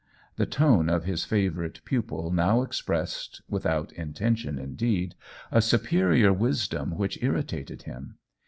The tone of his favorite pupil now expressed (without intention, indeed) a superior wisdom, which irritated him.